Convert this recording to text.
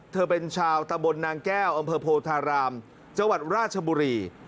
เธอเป็นชาวตะบนนางแก้วอำเภอโพธารามจังหวัดราชบุรี